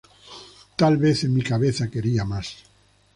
Tal vez en mi cabeza quería más".